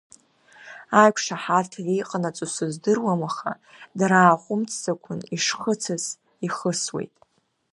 Аиқәшаҳаҭра иҟанаҵо сыздыруам, аха дара ааҟәымҵӡакәа ишхысыц ихысуеит.